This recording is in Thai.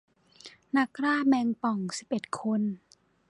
นักล่าแมงป่องสิบเอ็ดคน